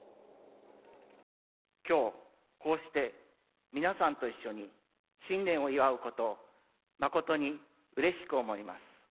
きょう、こうして皆さんと一緒に新年を祝うことを、誠にうれしく思います。